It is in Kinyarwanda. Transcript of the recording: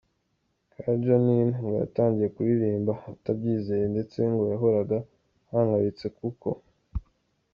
Kadja Nin ngo yatangiye kuririmba atabyizeye ndetse ngo yahoraga ahangayitse kuko.